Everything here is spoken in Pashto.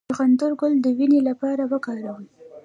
د چغندر ګل د وینې لپاره وکاروئ